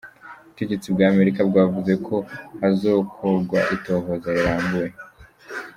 Ubutegetsi bwa Amerika bwavuze ko hazokogwa itohoza rirambuye.